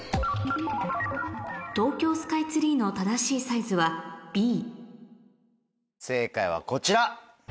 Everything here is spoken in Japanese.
東京スカイツリーの正しいサイズは正解はこちら。